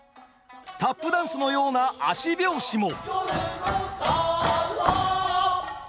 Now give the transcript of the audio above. タップダンスのような足拍子も。